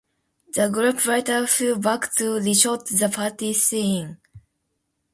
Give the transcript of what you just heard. The group later flew back to re-shoot the party scene.